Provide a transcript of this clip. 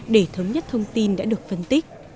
để thống nhất thông tin đã được phân tích